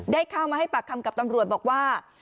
ได้เข้ามาให้ปากคำกับตำรวจบอกว่า